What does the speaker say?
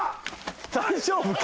大丈夫か？